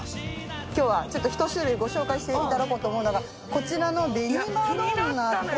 今日はちょっと１種類ご紹介していただこうと思うのがこちらの紅まどんなって。